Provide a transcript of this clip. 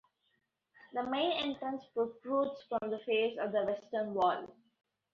The main entrance protrudes from the face of the western wall.